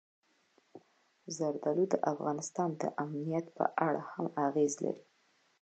زردالو د افغانستان د امنیت په اړه هم اغېز لري.